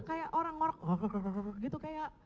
karena dia kayak orang ngorok gitu kayak